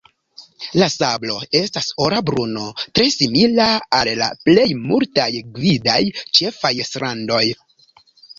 La sablo estas ora bruno, tre simila al la plej multaj gvidaj ĉefaj strandoj.